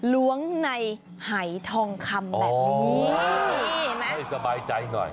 ล้วงในหายทองคำแบบนี้สบายใจหน่อย